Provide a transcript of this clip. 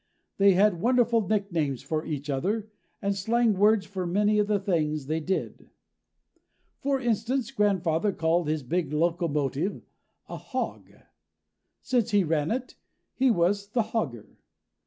They had wonderful nicknames for each other, and slang words for many of the things they did. For instance, grandfather called his big locomotive a hog. Since he ran it, he was the hogger.